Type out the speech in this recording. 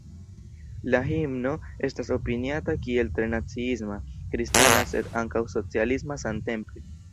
La himno estas opiniata kiel tre naciisma, kristana sed ankaŭ socialisma samtempe.